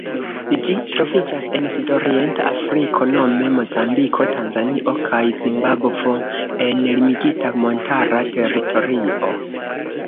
Ĝi troviĝas en sudorienta Afriko nome Mozambiko, Tanzanio kaj Zimbabvo en limigita montara teritorio.